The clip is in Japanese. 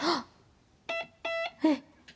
えっ！